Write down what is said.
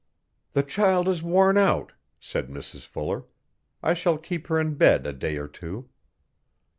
'The child is worn out,' said Mrs Fuller. 'I shall keep her in bed a day or two.